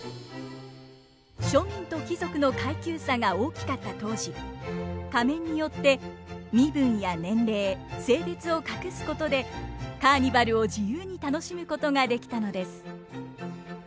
庶民と貴族の階級差が大きかった当時仮面によって身分や年齢性別を隠すことでカーニバルを自由に楽しむことができたのです。